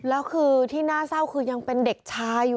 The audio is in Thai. แล้วคือที่น่าเศร้าคือยังเป็นเด็กชายอยู่